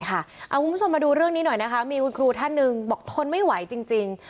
คุณผู้ชมมาดูเรื่องนี้หน่อยนะคะมีคุณครูท่านหนึ่งบอกทนไม่ไหวจริง